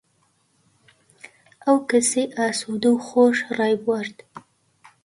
ئەو کەسەی ئاسوودەو و خۆش ڕایبوارد،